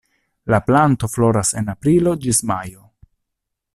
La planto floras en aprilo ĝis majo.